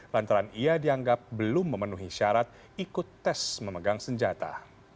lantaran ia dianggap belum memenuhi syarat ikut tes memegang senjata